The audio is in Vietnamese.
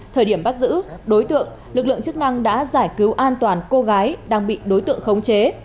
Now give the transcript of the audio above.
thời điểm bắt giữ đối tượng lực lượng chức năng đã giải cứu an toàn cô gái đang bị đối tượng khống chế